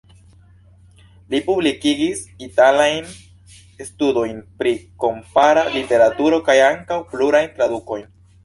Li publikigis italajn studojn pri kompara literaturo, kaj ankaŭ plurajn tradukojn.